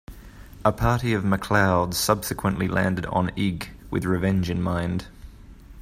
A party of MacLeods subsequently landed on Eigg with revenge in mind.